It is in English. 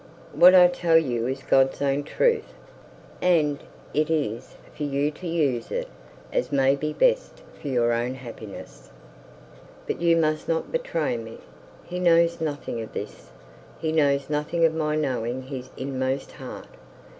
'What I tell you is God's own truth; and it is for you to use it as may be best for your own happiness. But you must not betray me. He knows nothing of this. He knows nothing of my knowing his inmost heart.